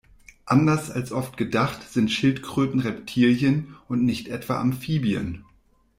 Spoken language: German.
Anders als oft gedacht sind Schildkröten Reptilien, und nicht etwa Amphibien.